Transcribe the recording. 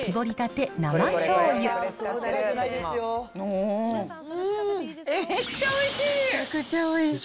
めちゃくちゃおいしい。